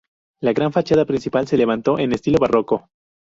La gran fachada principal se levantó en estilo barroco.